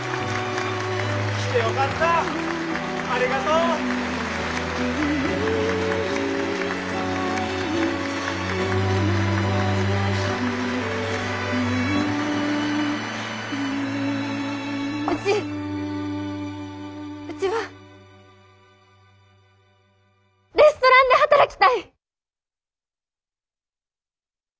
うちうちはレストランで働きたい！